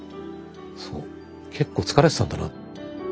そう結構疲れてたんだな。